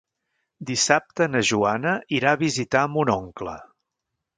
Dissabte na Joana irà a visitar mon oncle.